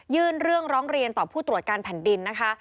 เรื่องร้องเรียนต่อผู้ตรวจการแผ่นดินนะคะ